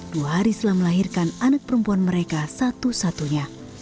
dua hari setelah melahirkan anak perempuan mereka satu satunya